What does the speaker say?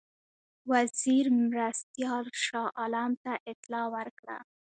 وزیر مرستیال شاه عالم ته اطلاع ورکړه.